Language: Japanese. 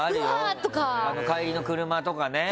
あるよ、帰りの車とかね。